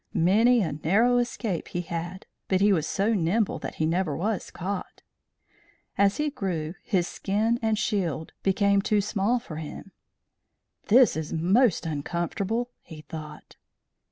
Many a narrow escape he had, but he was so nimble that he never was caught. As he grew, his skin and shield became too small for him. "This is most uncomfortable," he thought.